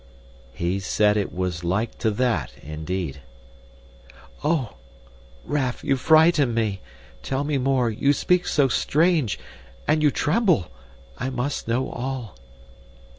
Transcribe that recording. "He said it was like to that, indeed." "Oh! Raff, you frighten me. Tell me more, you speak so strange and you tremble. I must know all."